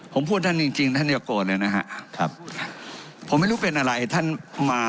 ผมพูดท่านจริงจริงท่านอย่าโกรธเลยนะฮะครับผมไม่รู้เป็นอะไรท่านมา